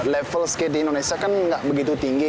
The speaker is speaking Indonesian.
level skate di indonesia kan nggak begitu tinggi